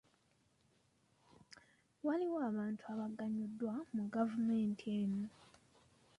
Waliwo abantu abaganyuddwa mu gavumenti eno.